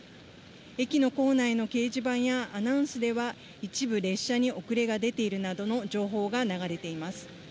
駅の構内の掲示板やアナウンスでは、一部、列車に遅れが出ているなどの情報が流れています。